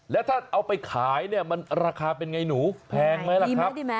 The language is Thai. แล้วถ้าเอาไปขายเนี่ยมันราคาเป็นไงหนูแพงไหมล่ะครับ